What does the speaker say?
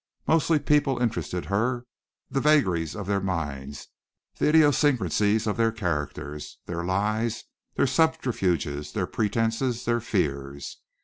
Mostly people interested her, the vagaries of their minds, the idiosyncrasies of their characters, their lies, their subterfuges, their pretences, their fears.